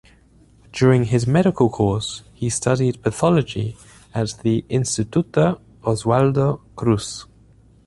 During his medical course, he studied pathology at the Instituto Oswaldo Cruz.